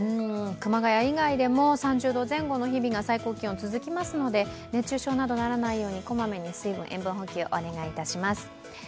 熊谷以外でも最高気温３０度前後の気温が続きますので熱中症などならないように小まめに水分、塩分補給、お願いします。